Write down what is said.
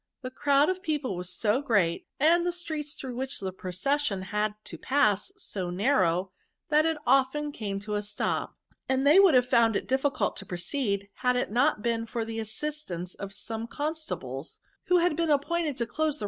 The crowd of people was so great, and the streets through which the procession had to pass so narrow, that it often came to a stop ; and they would have found it difficult to proceed, had it not been for the assistance of some con stables, who had been appointed to close the